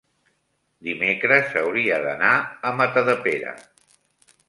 dimecres hauria d'anar a Matadepera.